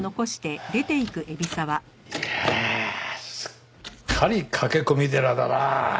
いやすっかり駆け込み寺だな。